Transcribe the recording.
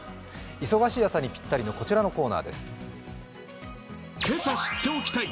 忙しい朝にぴったりのこちらのコーナーです。